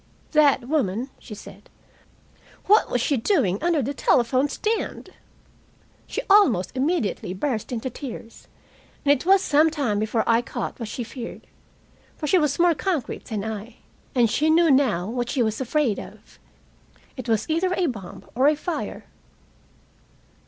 "That woman," she said, "what was she doing under the telephone stand?" She almost immediately burst into tears, and it was some time before I caught what she feared. For she was more concrete than I. And she knew now what she was afraid of. It was either a bomb or fire.